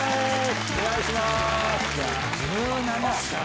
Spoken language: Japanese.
お願いします。